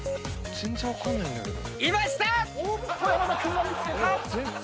全然分かんないんだけど。